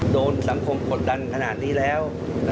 โดนสังคมกดดันขนาดนี้แล้ว